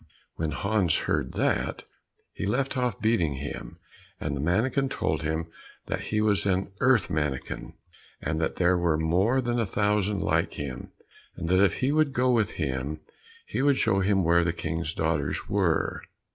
When Hans heard that, he left off beating him and the mannikin told him that he was an earth mannikin, and that there were more than a thousand like him, and that if he would go with him he would show him where the King's daughters were.